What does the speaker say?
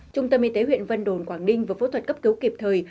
trung tâm y tế huyện vân đồn quảng ninh vừa phẫu thuật cấp cứu kịp thời